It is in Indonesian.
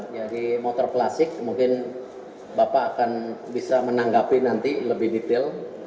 motor klasik mungkin bapak akan bisa menanggapi nanti lebih detail